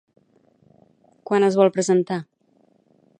Quan es vol presentar?